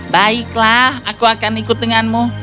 baiklah aku akan ikut denganmu